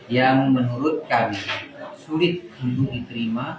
yang menurut kami sulit untuk diterima